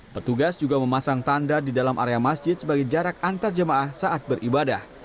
petugas juga memasang tanda di dalam area masjid sebagai jarak antar jemaah saat beribadah